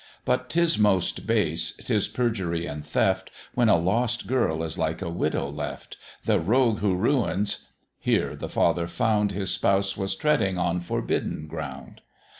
But 'tis most base, 'tis perjury and theft, When a lost girl is like a widow left; The rogue who ruins .." here the father found His spouse was treading on forbidden ground.